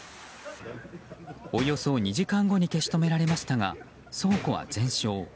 およそ２時間後に消し止められましたが倉庫は全焼。